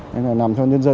nên là làm cho nhân dân